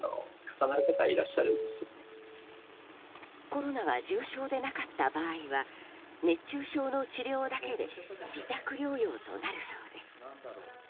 コロナが重症でなかった場合は熱中症の治療だけで自宅療養となるそうです。